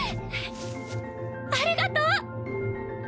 ありがとう！